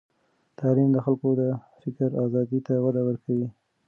تعلیم د خلکو د فکر آزادۍ ته وده ورکوي.